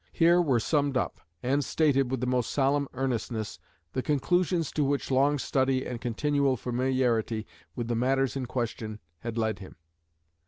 Here were summed up, and stated with the most solemn earnestness, the conclusions to which long study and continual familiarity with the matters in question had led him.